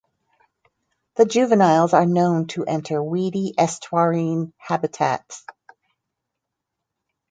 The juveniles are known to enter weedy estuarine habitats.